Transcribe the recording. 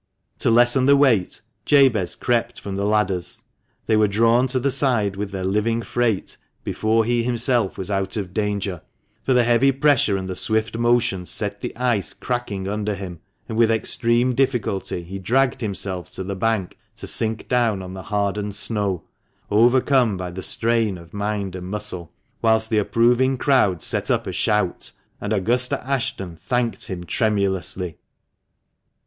To lessen the weight, Jabez crept from the ladders ; they were drawn to the side with their living freight before he himself was out of danger ; for the heavy pressure and the swift motion set the ice cracking under him, and with extreme difficulty he dragged himself to the bank to sink down on the hardened snow, overcome by the strain of mind and muscle, whilst the approving crowd set up a shout, and Augusta Ashton thanked him tremulously.